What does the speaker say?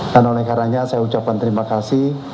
dan oleh karanya saya ucapkan terima kasih